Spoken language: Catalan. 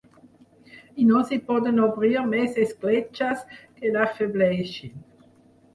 I no s'hi poden obrir més escletxes que l'afebleixin.